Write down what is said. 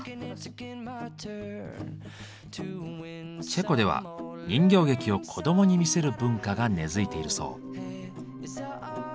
チェコでは人形劇を子どもに見せる文化が根付いているそう。